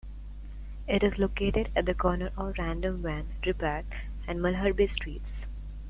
It is located at the corner of Random van Riebeck and Malharbe streets.